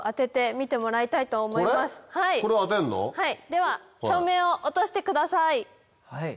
では照明を落としてください。